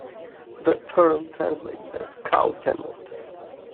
The term translates as "Cow tenant".